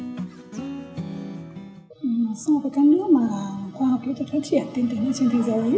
so với các nước mà khoa học kỹ thuật phát triển tiến tính trên thế giới